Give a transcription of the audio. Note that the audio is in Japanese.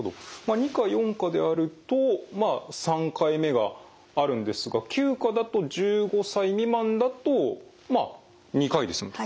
２価・４価であると３回目があるんですが９価だと１５歳未満だと２回で済むと。